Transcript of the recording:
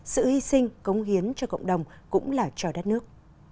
sự hy sinh cống hiến cho cộng đồng cũng là cho đất nước